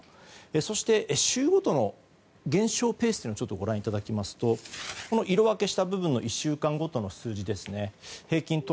そして週ごとの減少ペースをご覧いただきますと色分けした部分の１週間ごとの数字ですね。